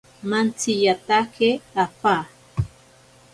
Mantsiyatake apaa.